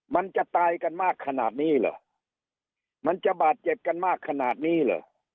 มันจะตายกันมากขนาดนี้เหรอมันจะบาดเจ็บกันมากขนาดนี้เหรอ